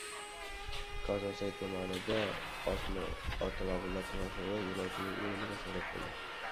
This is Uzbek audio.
Kosonsoy tumanida avtomobillar to‘qnashuvi yo‘lovchining o‘limiga sabab bo‘ldi